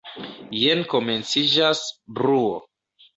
Jen komenciĝas bruo.